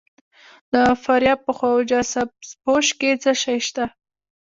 د فاریاب په خواجه سبز پوش کې څه شی شته؟